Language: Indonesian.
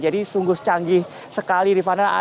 jadi sungguh canggih sekali rivana